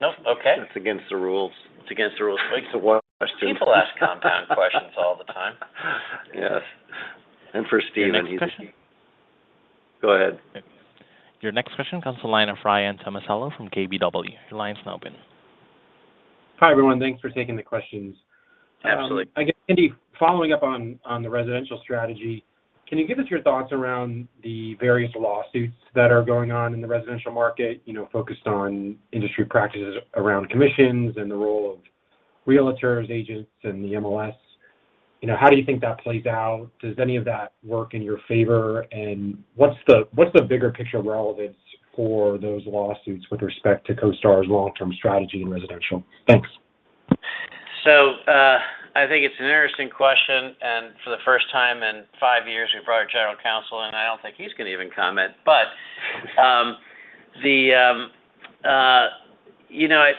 Nope? Okay. It's against the rules. It's against the rules. It's one question. People ask compound questions all the time. Yes. For Steven, he's a- Your next question. Go ahead. Your next question comes from the line of Ryan Tomasello from KBW. Your line is now open. Hi, everyone. Thanks for taking the questions. Absolutely. I guess, Andy, following up on the residential strategy, can you give us your thoughts around the various lawsuits that are going on in the residential market, you know, focused on industry practices around commissions and the role of realtors, agents, and the MLS? You know, how do you think that plays out? Does any of that work in your favor? What's the bigger picture relevance for those lawsuits with respect to CoStar's long-term strategy in residential? Thanks. I think it's an interesting question, and for the first time in five years, we've brought our General Counsel in. I don't think he's gonna even comment.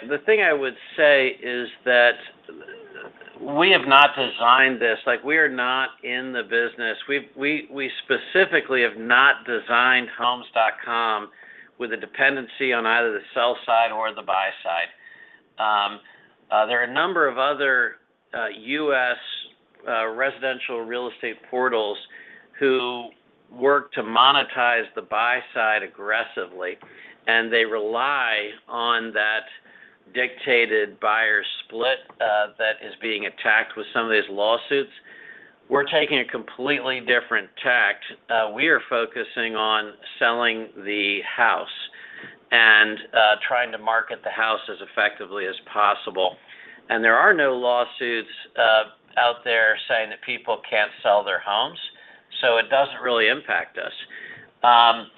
The thing I would say is that we have not designed this. Like, we are not in the business. We specifically have not designed homes.com with a dependency on either the sell side or the buy side. There are a number of other U.S. residential real estate portals who work to monetize the buy side aggressively, and they rely on that dictated buyer split that is being attacked with some of these lawsuits. We're taking a completely different tack. We are focusing on selling the house, trying to market the house as effectively as possible. There are no lawsuits out there saying that people can't sell their homes, so it doesn't really impact us.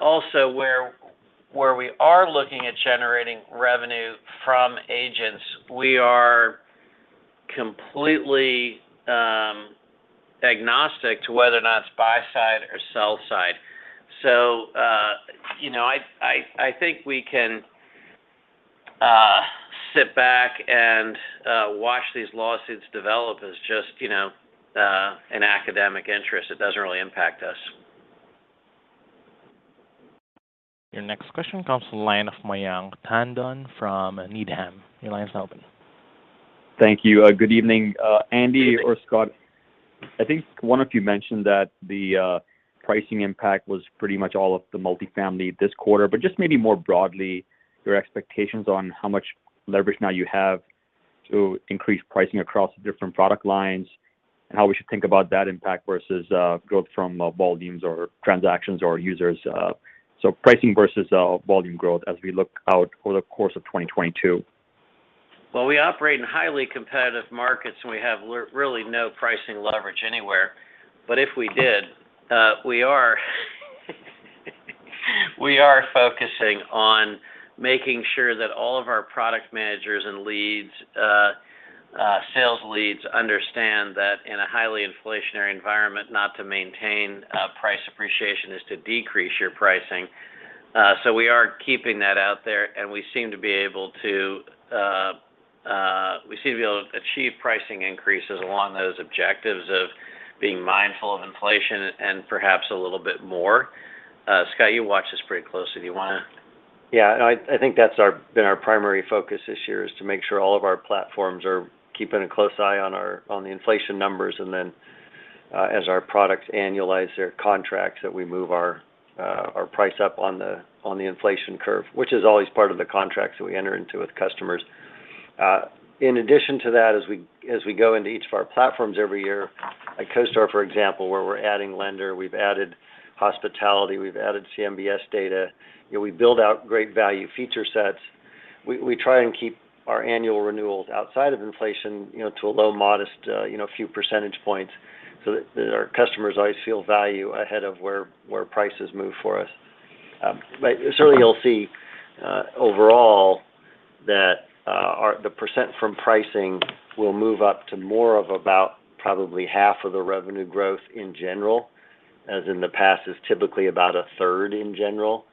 Also where we are looking at generating revenue from agents, we are completely agnostic to whether or not it's buy side or sell side. You know, I think we can sit back and watch these lawsuits develop as just you know an academic interest. It doesn't really impact us. Your next question comes from the line of Mayank Tandon from Needham. Your line's now open. Thank you. Good evening, Andy or Scott. I think one of you mentioned that the pricing impact was pretty much all of the multifamily this quarter, but just maybe more broadly, your expectations on how much leverage now you have to increase pricing across different product lines, and how we should think about that impact versus growth from volumes or transactions or users. So pricing versus volume growth as we look out over the course of 2022. Well, we operate in highly competitive markets, and we have really no pricing leverage anywhere. If we did, we are focusing on making sure that all of our product managers and leads, sales leads understand that in a highly inflationary environment, not to maintain price appreciation is to decrease your pricing. We are keeping that out there, and we seem to be able to achieve pricing increases along those objectives of being mindful of inflation and perhaps a little bit more. Scott, you watch this pretty closely. Do you wanna... Yeah. No, I think that's been our primary focus this year, to make sure all of our platforms are keeping a close eye on the inflation numbers, and then, as our products annualize their contracts, that we move our price up on the inflation curve, which is always part of the contracts that we enter into with customers. In addition to that, as we go into each of our platforms every year, like CoStar, for example, where we're adding Lender, we've added hospitality, we've added CMBS data, you know, we build out great value feature sets. We try and keep our annual renewals outside of inflation, you know, to a low modest few percentage points so that our customers always feel value ahead of where prices move for us. Certainly you'll see overall that the percent from pricing will move up to more of about probably half of the revenue growth in general, as in the past it's typically about a third in general,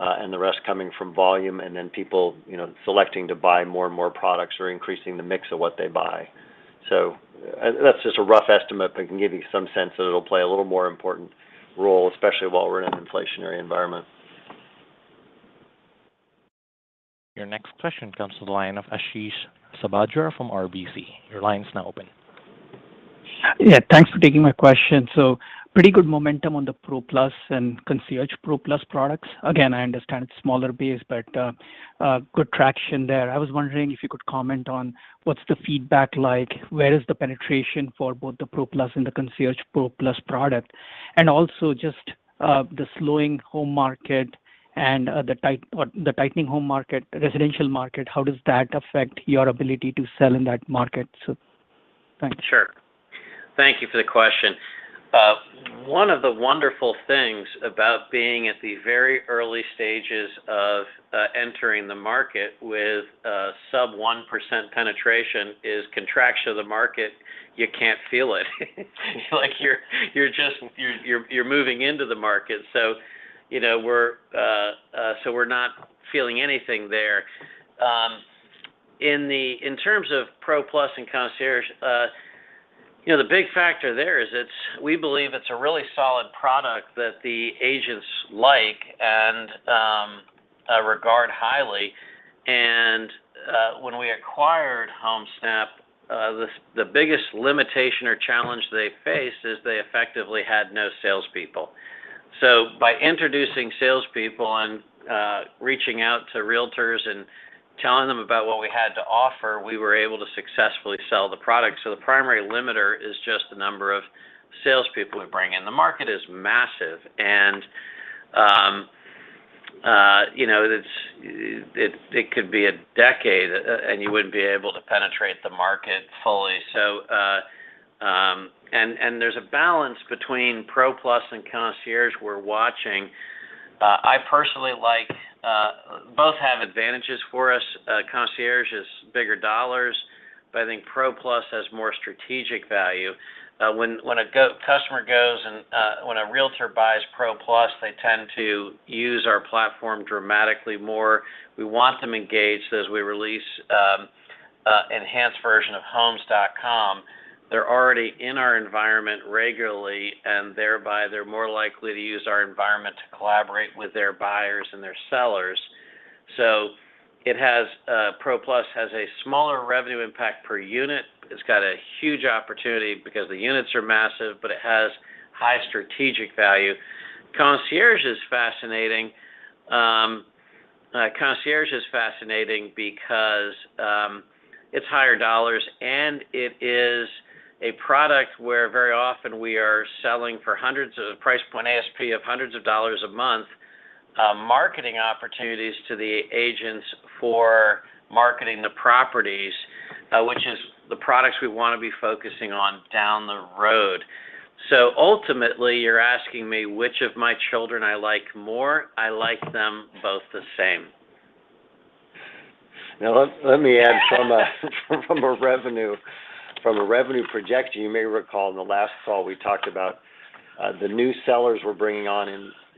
and the rest coming from volume, and then people, you know, selecting to buy more and more products or increasing the mix of what they buy. That's just a rough estimate, but it can give you some sense that it'll play a little more important role, especially while we're in an inflationary environment. Your next question comes to the line of Ashish Sabadra from RBC. Your line's now open. Yeah. Thanks for taking my question. Pretty good momentum on the Pro Plus and Concierge Pro Plus products. Again, I understand it's smaller base, but a good traction there. I was wondering if you could comment on what's the feedback like, where is the penetration for both the Pro Plus and the Concierge Pro Plus product, and also just the slowing home market and the tightening home market, residential market, how does that affect your ability to sell in that market? Thanks. Sure. Thank you for the question. One of the wonderful things about being at the very early stages of entering the market with a sub 1% penetration is contraction of the market. You can't feel it. Like you're just moving into the market. You know, we're not feeling anything there. In terms of Pro Plus and Concierge, you know, the big factor there is, we believe, it's a really solid product that the agents like and regard highly. When we acquired Homesnap, the biggest limitation or challenge they faced is they effectively had no salespeople. By introducing salespeople and reaching out to realtors and telling them about what we had to offer, we were able to successfully sell the product. The primary limiter is just the number of salespeople we bring in. The market is massive and you know it could be a decade and you wouldn't be able to penetrate the market fully. There's a balance between Pro Plus and Concierge we're watching. I personally like both have advantages for us. Concierge is bigger dollars, but I think Pro Plus has more strategic value. When a customer goes and when a realtor buys Pro Plus, they tend to use our platform dramatically more. We want them engaged as we release enhanced version of homes.com. They're already in our environment regularly, and thereby they're more likely to use our environment to collaborate with their buyers and their sellers. Pro Plus has a smaller revenue impact per unit. It's got a huge opportunity because the units are massive, but it has high strategic value. Concierge is fascinating because it's higher dollars, and it is a product where very often we are selling for hundreds of price point ASP of hundreds of dollars a month, marketing opportunities to the agents for marketing the properties, which is the products we wanna be focusing on down the road. Ultimately, you're asking me which of my children I like more. I like them both the same. Let me add from a revenue projection. You may recall in the last call we talked about the new sellers we're bringing on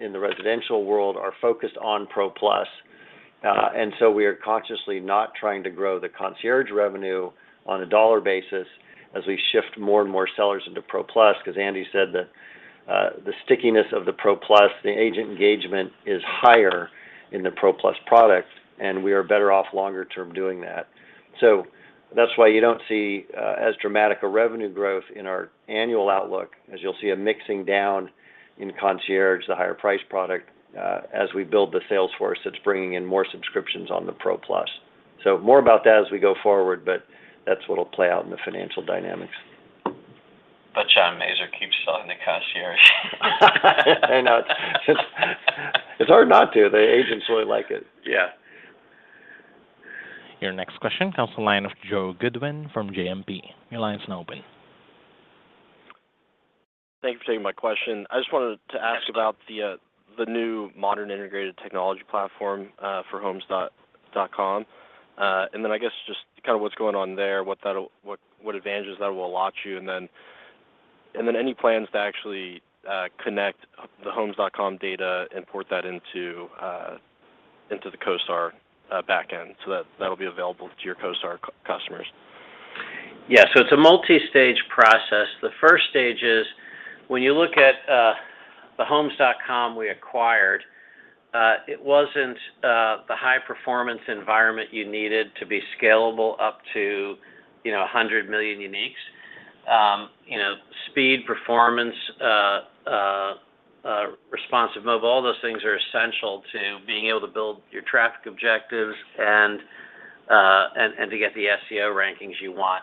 in the residential world are focused on Pro Plus. We are consciously not trying to grow the Concierge revenue on a dollar basis as we shift more and more sellers into Pro Plus because Andy said that the stickiness of the Pro Plus, the agent engagement is higher in the Pro Plus product, and we are better off longer term doing that. That's why you don't see as dramatic a revenue growth in our annual outlook as you'll see a mixing down in Concierge, the higher priced product, as we build the sales force that's bringing in more subscriptions on the Pro Plus. More about that as we go forward, but that's what'll play out in the financial dynamics. Good job. Amazing. Keep selling the Concierge. I know. It's hard not to. The agents really like it. Yeah. Your next question comes from the line of Joe Goodwin from JMP. Your line's now open. Thank you for taking my question. I just wanted to ask about the new modern integrated technology platform for homes.com. I guess just kind of what's going on there, what advantages that will allow you, and then any plans to actually connect the homes.com data, import that into the CoStar backend so that that'll be available to your CoStar customers. Yeah, it's a multi-stage process. The first stage is when you look at the homes.com we acquired, it wasn't the high performance environment you needed to be scalable up to, you know, 100 million uniques. You know, speed, performance, responsive, all those things are essential to being able to build your traffic objectives and to get the SEO rankings you want.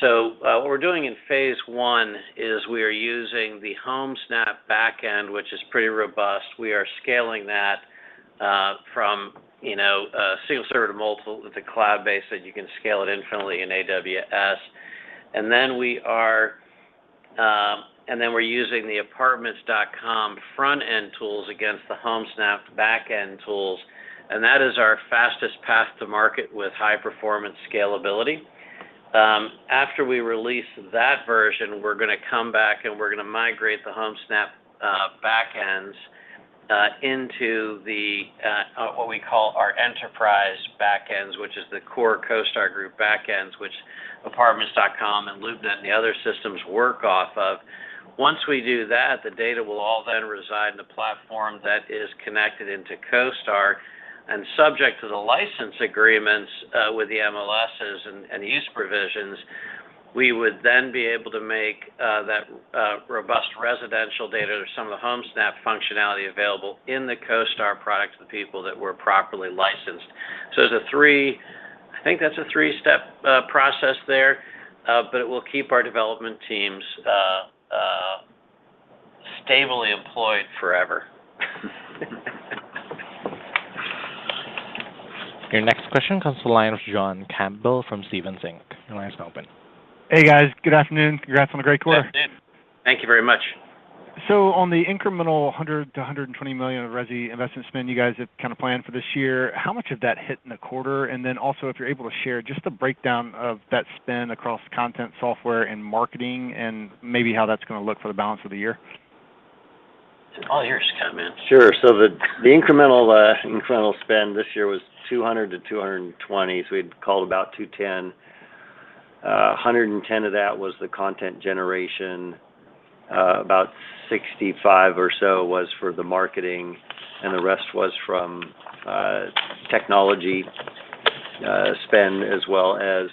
What we're doing in phase one is we are using the Homesnap backend, which is pretty robust. We are scaling that from, you know, a single server to multiple. It's a cloud-based, so you can scale it infinitely in AWS. Then we're using the Apartments.com front-end tools against the Homesnap backend tools, and that is our fastest path to market with high-performance scalability. After we release that version, we're gonna come back, and we're gonna migrate the Homesnap backends into the what we call our enterprise backends, which is the core CoStar Group backends, which Apartments.com and LoopNet and the other systems work off of. Once we do that, the data will all then reside in a platform that is connected into CoStar. Subject to the license agreements with the MLSs and use provisions, we would then be able to make that robust residential data or some of the Homesnap functionality available in the CoStar products to people that were properly licensed. I think that's a three-step process there, but it will keep our development teams stably employed forever. Your next question comes to the line of John Campbell from Stephens Inc. Your line's now open. Hey, guys. Good afternoon. Congrats on a great quarter. Good afternoon. Thank you very much. On the incremental $100 million-$120 million of resi investment spend you guys have kind of planned for this year, how much of that hit in the quarter? Also, if you're able to share just the breakdown of that spend across content, software, and marketing and maybe how that's gonna look for the balance of the year. All yours, Scott, man. The incremental spend this year was $200 million-$220 million, so we'd call it about $210 million. $110 million of that was the content generation. About $65 million or so was for the marketing, and the rest was from technology spend as well as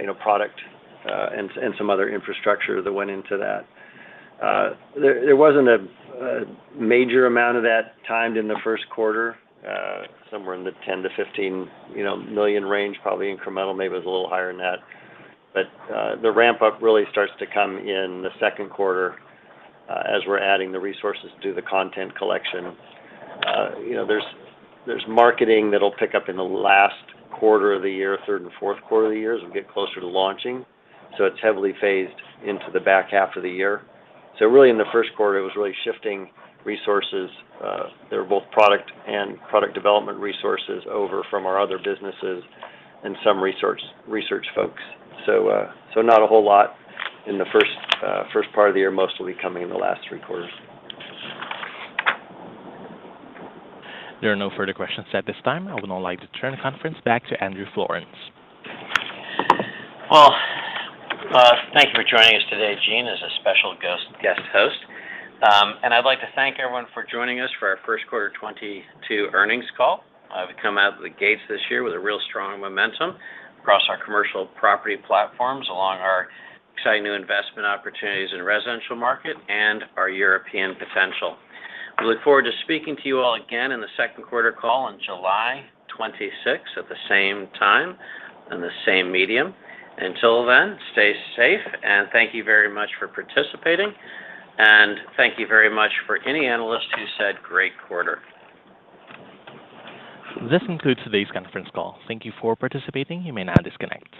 you know, product and some other infrastructure that went into that. There wasn't a major amount of that timed in the Q1, somewhere in the $10 million-$15 million range, probably incremental. Maybe it was a little higher than that. The ramp-up really starts to come in the Q2 as we're adding the resources to the content collection. You know, there's marketing that'll pick up in the last quarter of the year, Q3 and Q4 of the year as we get closer to launching. It's heavily phased into the back half of the year. Really in the Q1, it was really shifting resources that were both product and product development resources over from our other businesses and some research folks. Not a whole lot in the first part of the year. Mostly coming in the last three quarters. There are no further questions at this time. I would now like to turn the conference back to Andrew Florance. Well, thank you for joining us today with Gene as a special guest host. I'd like to thank everyone for joining us for our Q1 2022 earnings call. We've come out of the gates this year with a real strong momentum across our commercial property platforms along our exciting new investment opportunities in residential market and our European potential. We look forward to speaking to you all again in the Q2 call on July 26th at the same time and the same medium. Until then, stay safe, and thank you very much for participating. Thank you very much for any analyst who said, great quarter. This concludes today's conference call. Thank you for participating. You may now disconnect.